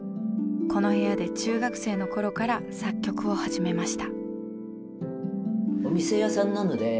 この部屋で中学生の頃から作曲を始めました。